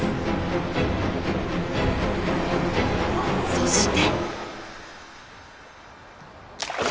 そして。